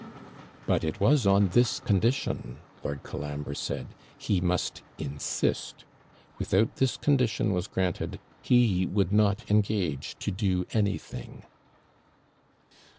But it was on this condition, Lord Colambre said, he must insist. Without this condition was granted, he would not engage to do anything.